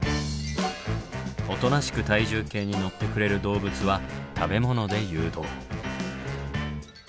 おとなしく体重計に乗ってくれる動物は食べ物で誘導。